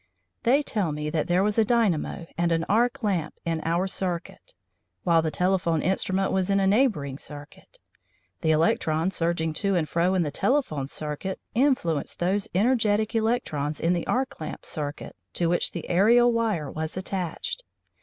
They tell me that there was a dynamo and an arc lamp in our circuit, while the telephone instrument was in a neighbouring circuit. The electrons surging to and fro in the telephone circuit influenced those energetic electrons in the arc lamp circuit to which the ærial wire was attached.